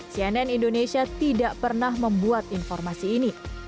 cnn indonesia tidak pernah membuat informasi ini